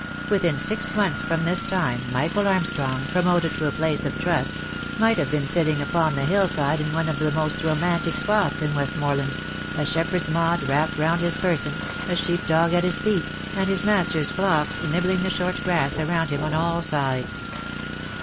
Within six months from this time, Michael Armstrong, promoted to a place of trust, might have been seen sitting upon the hill side in one of the most romantic spots in Westmorland, a shepherd's maud wrapped round his person, a sheep dog at his feet, and his master's flocks nibbling the short grass around him on all sides.